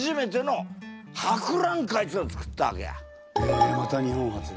えまた日本初だ。